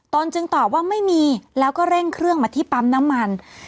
จึงตอบว่าไม่มีแล้วก็เร่งเครื่องมาที่ปั๊มน้ำมัน